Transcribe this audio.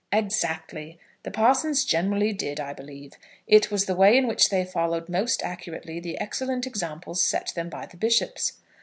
"Exactly. The parsons generally did, I believe. It was the way in which they followed most accurately the excellent examples set them by the bishops.